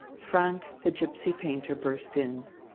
Franck, the gypsy painter, burst in.